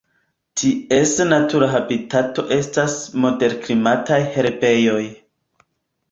Ties natura habitato estas moderklimataj herbejoj.